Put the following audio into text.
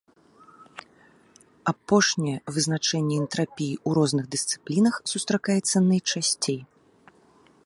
Апошняе вызначэнне энтрапіі ў розных дысцыплінах сустракаецца найчасцей.